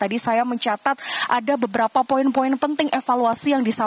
tadi saya mencatat ada beberapa poin poin penting evaluasi pemilu dua ribu dua puluh empat